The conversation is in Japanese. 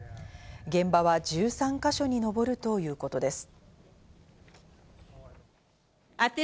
現場は１３か所にのぼるということです。